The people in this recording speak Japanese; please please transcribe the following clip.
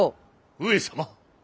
上様。